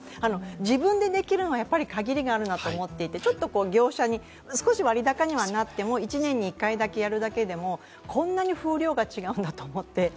自分でできるのは、やっぱりかぎりがあるなと思っていて業者に少し割高にはなっても１年に１回やるだけでもこんなに風量が違うんだと思って。